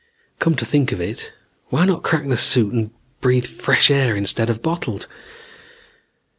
"Come to think of it, why not crack the suit and breath fresh air instead of bottled?